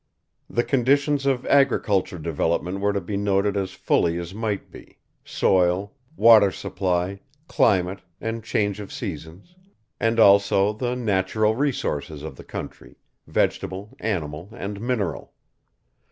The conditions of agricultural development were to be noted as fully as might be, soil, water supply, climate, and change of seasons; and also the natural resources of the country, vegetable, animal, and mineral.